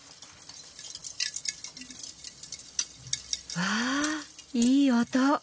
わあいい音。